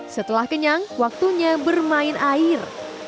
setelah kenyang waktunya bermain air